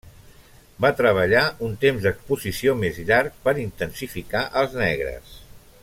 Va treballar un temps d'exposició més llarg per intensificar els negres.